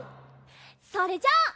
それじゃあ。